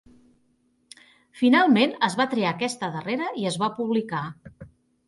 Finalment es va triar aquesta darrera i es va publicar.